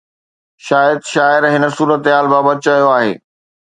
شايد شاعر هن صورتحال بابت چيو آهي.